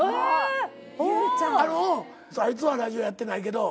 あいつはラジオやってないけど。